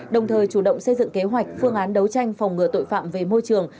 đồng thời chủ động xây dựng kế hoạch phương án đấu tranh phòng ngừa tội phạm về môi trường